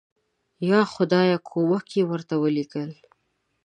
یا خدایه کومک یې ورته ولیکل.